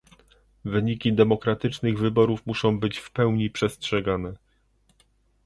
Wyniki demokratycznych wyborów muszą być w pełni przestrzegane